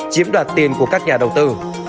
chiếm đoạt tiền của các nhà đầu tư